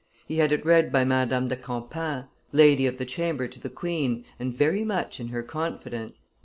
He had it read by Madame de Campan, lady of the chamber to the queen, and very much in her confidence.